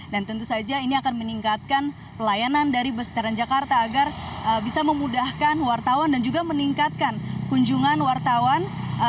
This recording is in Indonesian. dan tentu saja ini akan meningkatkan pelayanan dari bus transjakarta agar bisa memudahkan wartawan dan juga meningkatkan kunjungan wartawan